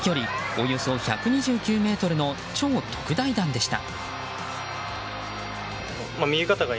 およそ１２９ｍの超特大弾でした。